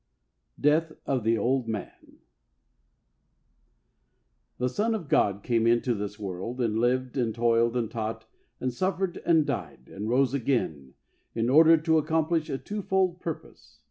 Death of The Old Man ." T he son of god came into this world, and lived, and toiled, and taught, and suffered, and died and rose again in order to accomplish a two fold purpose.